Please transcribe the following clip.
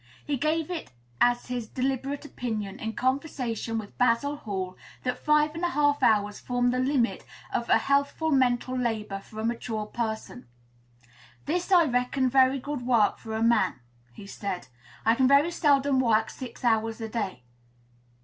He gave it as his deliberate opinion, in conversation with Basil Hall, that five and a half hours form the limit of healthful mental labor for a mature person. 'This I reckon very good work for a man,' he said. 'I can very seldom work six hours a day.'